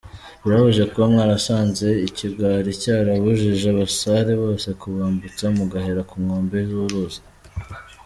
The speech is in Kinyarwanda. Birababaje kuba mwarasanze ikigwari cyarabujije abasare bose kubambutsa mugahera ku nkombe z’uruzi.